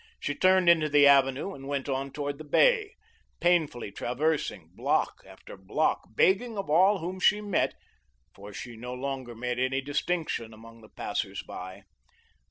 She turned into the avenue, and went on toward the Bay, painfully traversing block after block, begging of all whom she met (for she no longer made any distinction among the passers by).